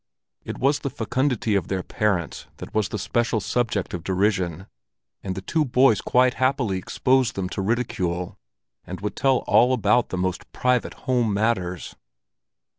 It was the fecundity of their parents that was the special subject of derision, and the two boys quite happily exposed them to ridicule, and would tell all about the most private home matters.